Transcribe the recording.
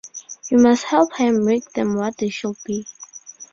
You must help her make them what they should be.